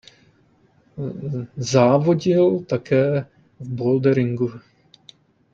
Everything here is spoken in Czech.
Závodil také v boulderingu.